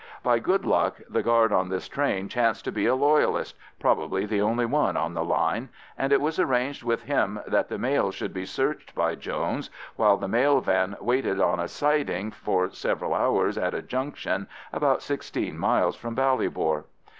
By good luck the guard on this train chanced to be a Loyalist—probably the only one on the line—and it was arranged with him that the mails should be searched by Jones while the mail van waited in a siding for several hours at a junction about sixteen miles from Ballybor.